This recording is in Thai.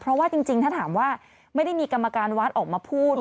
เพราะว่าจริงถ้าถามว่าไม่ได้มีกรรมการวัดออกมาพูด